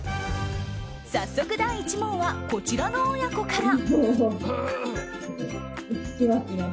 早速、第１問はこちらの親子から。